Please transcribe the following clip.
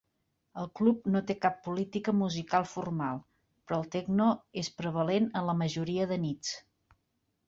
El club no té cap política musical formal, però el techno és prevalent en la majoria de nits.